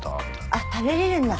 あっ食べれるんだ。